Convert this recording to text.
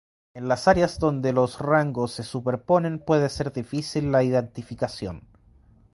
En las áreas donde los rangos se superponen puede ser difícil la identificación.